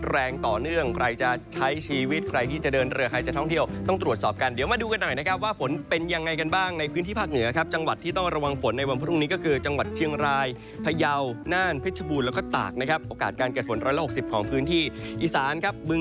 แรงต่อเนื่องใครจะใช้ชีวิตใครที่จะเดินเรือใครจะท่องเที่ยวต้องตรวจสอบกันเดี๋ยวมาดูกันหน่อยนะครับว่าฝนเป็นยังไงกันบ้างในพื้นที่ภาคเหนือครับจังหวัดที่ต้องระวังฝนในวันพรุ่งนี้ก็คือจังหวัดเชียงรายพยาวน่านเพชรบูรณ์แล้วก็ตากนะครับโอกาสการเกิดฝนร้อยละ๖๐ของพื้นที่อีสานครับบึง